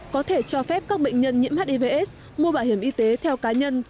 có thể cho phép các bệnh nhân nhiễm hiv s mua bảo hiểm y tế theo cá nhân